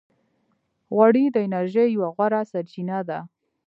غوړې د انرژۍ یوه غوره سرچینه ده.